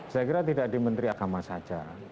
saya kira tidak di menteri agama saja